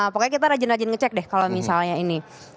pokoknya kita rajin rajin ngecek deh kalau misalnya ini